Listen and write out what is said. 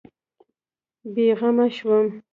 بېغمه شوم.